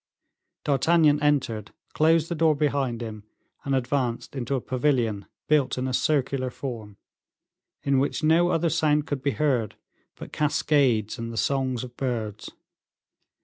D'Artagnan entered, closed the door behind him, and advanced into a pavilion built in a circular form, in which no other sound could be heard but cascades and the songs of birds.